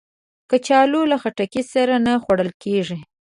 کچالو له خټکی سره نه خوړل کېږي